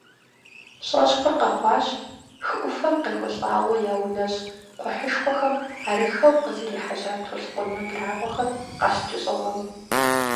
ЩӀэщхъур къэхъуащ хы Ӏуфэм къекӀуэлӀауэ яунэщӀ кхъухьышхуэхэм арыххэу къызэрехьэжьа толъкъун абрагъуэхэр къащыкӀэщӀэуэм.